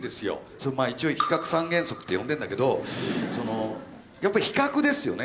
それ一応「比較三原則」って呼んでんだけどやっぱり比較ですよね。